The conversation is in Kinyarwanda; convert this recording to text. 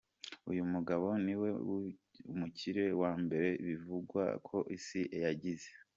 Uyu mugabo niwe mukire wa mbere bivugwa ko isi yagize.